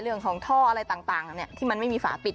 เรื่องของท่ออะไรต่างที่มันไม่มีฝาปิด